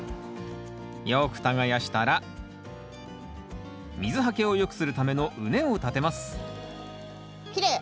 よく耕したら水はけを良くするための畝を立てますきれい！